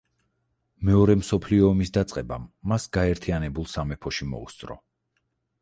მეორე მსოფლიო ომის დაწყებამ მას გაერთიანებულ სამეფოში მოუსწრო.